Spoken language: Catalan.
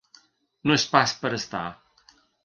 No és pas per estar.